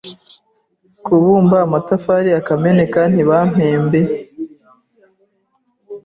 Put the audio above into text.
nkabumba amatafari akameneka ntibampembe